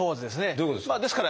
どういうことですか？